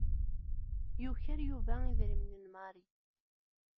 Yuker Yuba idrimen n Mary.